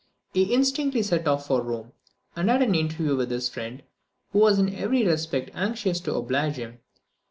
He instantly set off for Rome, and had an interview with his friend, who was in every respect anxious to oblige him.